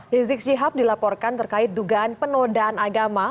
rizik syihab dilaporkan terkait dugaan penodaan agama